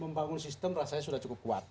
membangun sistem rasanya sudah cukup kuat